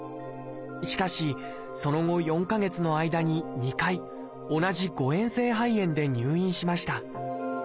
しかしその後４か月の間に２回同じ誤えん性肺炎で入院しました。